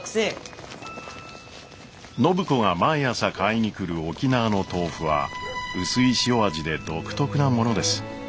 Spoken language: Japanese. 暢子が毎朝買いにくる沖縄の豆腐は薄い塩味で独特なものです。